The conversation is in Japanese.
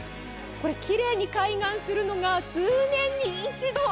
きれいに開眼するのが数年に一度。